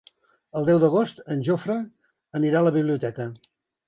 El deu d'agost en Jofre anirà a la biblioteca.